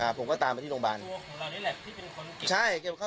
อ่าผมก็ตามไปที่โรงพยาบาลตัวของเรานี่แหละที่เป็นคน